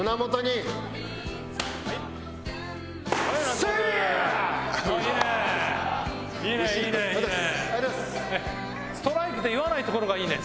「ストライク」って言わないところがいいね。